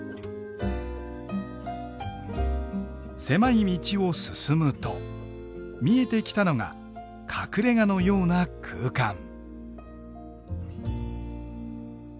狭い道を進むと見えてきたのが隠れがのような空間。